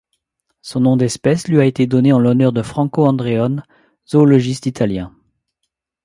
Son nom d'espèce lui a été donné en l'honneur de Franco Andreone, zoologiste italien.